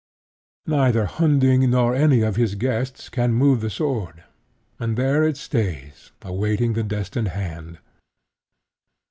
Neither Hunding nor any of his guests can move the sword; and there it stays awaiting the destined hand.